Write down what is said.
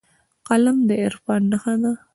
قلم د عرفان نښه ده